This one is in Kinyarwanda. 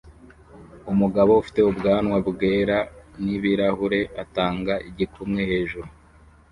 Umugabo ufite ubwanwa bwera nibirahure atanga igikumwe hejuru